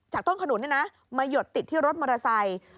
จากต้นขนุนนี่นะมาหยดติดที่รถมอเตอร์ไซค์